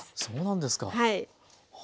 そうなんですか。